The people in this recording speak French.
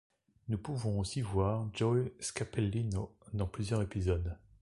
Nous pouvons aussi voir Joey Scarpellino dans plusieurs épisodes.